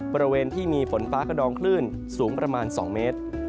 บริเวณที่มีฝนฟ้ากระดองคลื่นสูงประมาณ๒เมตร